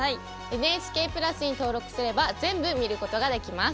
「ＮＨＫプラス」に登録すれば全部見ることができます。